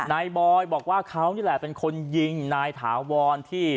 บอยบอกว่าเขานี่แหละเป็นคนยิงนายถาวรที่